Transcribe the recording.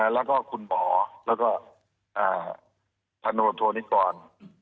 แล้วก็คุณหมอแล้วก็พันโนโทนิกร